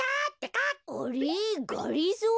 あれっがりぞー？